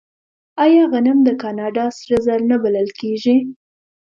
آیا غنم د کاناډا سره زر نه بلل کیږي؟